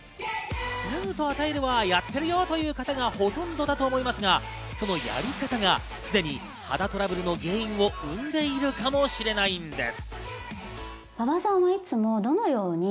脱ぐと与えるはやっているよという方がほとんどだと思いますが、そのやり方がすでに肌トラブルの原因を生んでいるかもしれないんです。